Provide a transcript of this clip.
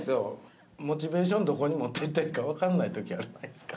どこに持っていったらいいか分かんないときあるじゃないですか